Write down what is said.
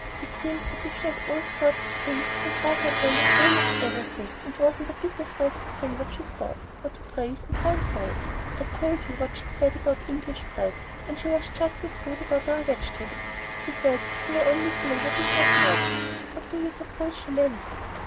It seemed as if she had seen all sorts of things and tried her hand on almost everything, and wasn't a bit afraid to say what she thought, or to praise and find fault. I told you what she said about English bread, and she was just as rude about our vegetables; she said they were only flavored with hot water. What do you suppose she meant?"